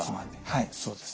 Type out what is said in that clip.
はいそうです。